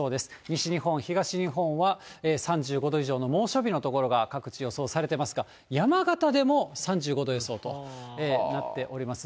西日本、東日本は３５度以上の猛暑日の所が各地、予想されてますが、山形でも３５度予想となっております。